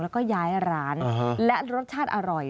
แล้วก็ย้ายร้านและรสชาติอร่อย